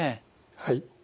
はい。